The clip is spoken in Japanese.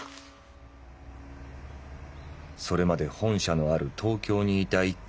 「それまで本社のある東京にいた一家は